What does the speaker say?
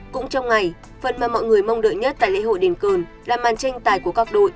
cũng trong ngày phần mà mọi người mong đợi nhất tại lễ hội đền cường là màn tranh tài của các đội